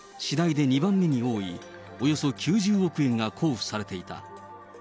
日大には昨年度、私大で２番目に多い、およそ９０億円が交付されていた。